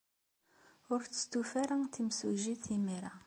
Ur testufa ara temsujjit imir-a.